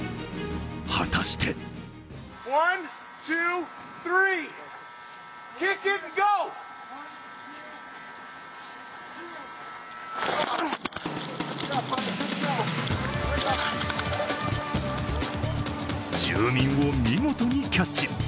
果たして住民を見事にキャッチ。